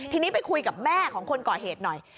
ทีนี้ไปคุยกับแม่ของคนก่อเหตุหน่อย